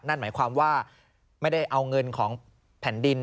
นั่นหมายความว่าไม่ได้เอาเงินของแผ่นดิน